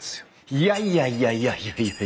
いやいやいやいやいやいや。